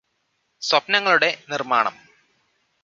സ്വപ്നങ്ങളുടെ നിര്മ്മാണം